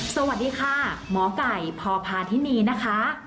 สวัสดีค่ะหมอไก่พพาธินีนะคะ